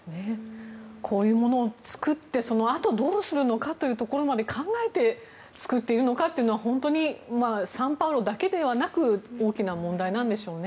こういうものを作ってそのあとどうするのかというのも考えて作っているのかというのを「サンパウロ」だけではなく大きな問題なんでしょうね。